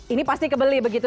ini pasti kebeli begitu